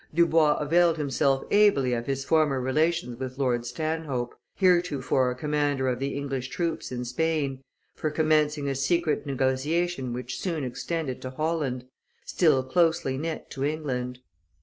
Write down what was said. Dubois availed himself ably of his former relations with Lord Stanhope, heretofore commander of the English troops in Spain, for commencing a secret negotiation which soon extended to Holland, still closely knit to England.